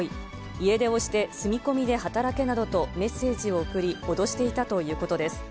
家出をして住み込みで働けなどとメッセージを送り、脅していたということです。